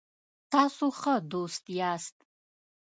تاسو ښه دوست یاست